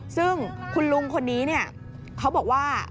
ซึ่งคุณลุงคนนี้เนี่ยเขาบอกว่า